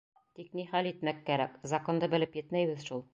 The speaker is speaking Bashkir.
Тик ни хәл итмәк кәрәк... законды белеп етмәйбеҙ шул.